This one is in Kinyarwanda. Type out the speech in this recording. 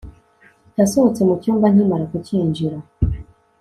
yasohotse mucyumba nkimara kucyinjira